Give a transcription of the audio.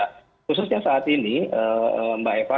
khususnya saat ini mbak eva